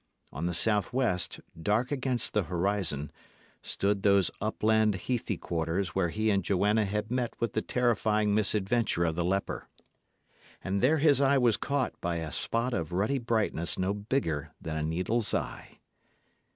On the south west, dark against the horizon, stood those upland, heathy quarters where he and Joanna had met with the terrifying misadventure of the leper. And there his eye was caught by a spot of ruddy brightness no bigger than a needle's eye.